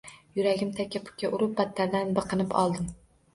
Yuragim taka-puka urib, battardan biqinib oldim